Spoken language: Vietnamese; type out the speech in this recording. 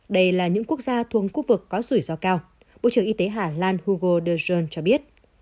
đây là những quốc gia thuộc quốc vực có rủi ro cao bộ trưởng y tế hà lan hugo de jonge cho biết